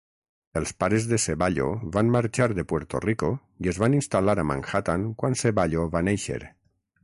Els pares de Ceballo van marxar de Puerto Rico i es van instal·lar a Manhattan quan Ceballo va néixer.